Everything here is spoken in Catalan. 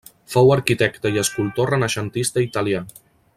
Fou arquitecte i escultor renaixentista italià.